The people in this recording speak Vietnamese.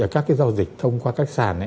các cái giao dịch thông qua các cái giao dịch